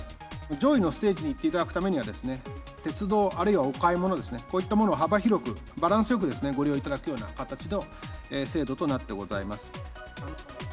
上位のステージに行っていただくためには、鉄道あるいはお買い物をこういったものを幅広く、バランスよくご利用いただくような形の制度となってございます。